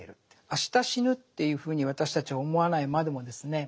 明日死ぬっていうふうに私たちは思わないまでもですね